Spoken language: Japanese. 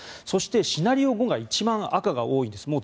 そして、シナリオ５が一番、赤が多いです。